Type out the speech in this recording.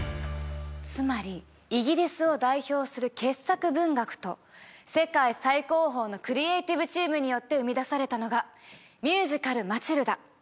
つまりイギリスを代表する傑作文学と世界最高峰のクリエイティブチームによって生み出されたのがミュージカル『マチルダ』。